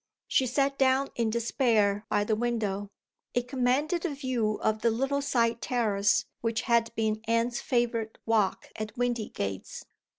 She sat down in despair by the window. It commanded a view of the little side terrace which had been Anne's favorite walk at Windygates.